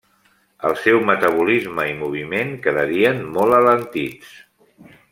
El seu metabolisme i moviment quedarien molt alentits.